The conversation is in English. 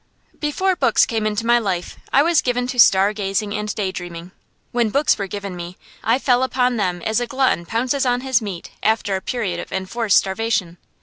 Before books came into my life, I was given to stargazing and daydreaming. When books were given me, I fell upon them as a glutton pounces on his meat after a period of enforced starvation.